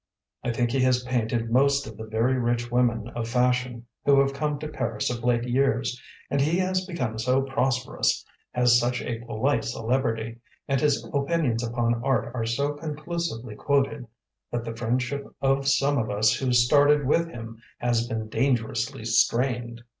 I think he has painted most of the very rich women of fashion who have come to Paris of late years, and he has become so prosperous, has such a polite celebrity, and his opinions upon art are so conclusively quoted, that the friendship of some of us who started with him has been dangerously strained.